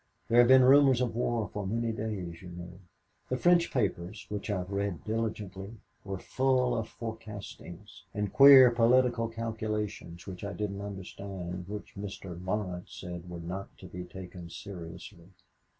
There have been rumors of war for many days, you know. The French papers, which I've read diligently, were full of forecastings and queer political calculations which I didn't understand and which Mr. Laurence said were not to be taken seriously.